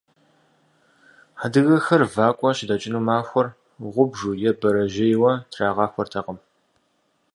Адыгэхэр вакӀуэ щыдэкӀыну махуэр гъубжу е бэрэжьейуэ трагъахуэртэкъым.